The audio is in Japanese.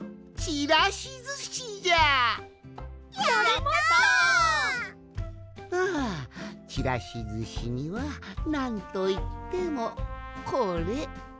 ちらしずしにはなんといってもこれ！